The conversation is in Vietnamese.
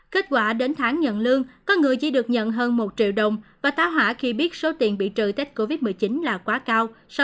kết quả đến tháng nhận lương con người chỉ được nhận hơn một triệu đồng và táo hỏa khi biết số tiền bị trừ tết covid một mươi chín là quá cao